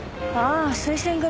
あ推薦組。